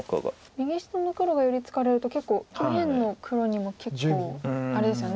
右下の黒が寄り付かれると右辺の黒にも結構あれですよね